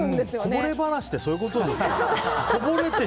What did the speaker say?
こぼれ話ってそういうことですか？